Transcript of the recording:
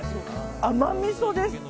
甘みそです。